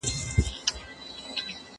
ته ولي ځواب ليکې،